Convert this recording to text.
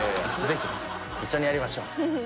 ぜひ一緒にやりましょう。